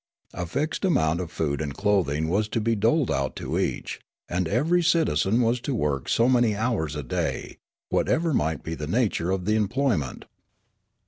A fixed amount of food and clothing was to be doled out to each, and every citizen was to work so many hours a day, what ever might be the nature of the employment.